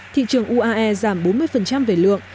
thị trường uae giảm bốn mươi về lượng